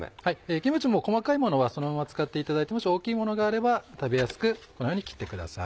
キムチも細かいものはそのまま使っていただいてもし大きいものがあれば食べやすくこのように切ってください。